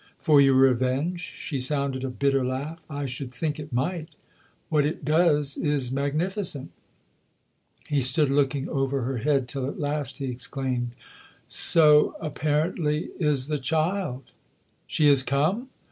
" For your revenge ?" She sounded a bitter laugh. " I should think it might ! What it does is magnificent !" He stood looking over her head till at last he exclaimed :" So, apparently, is the child !"" She has come